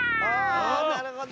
ああなるほど。